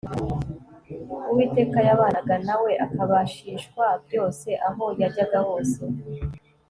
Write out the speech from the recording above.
uwiteka yabanaga na we, akabashishwa byose aho yajyaga hose